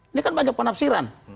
ini kan banyak penafsiran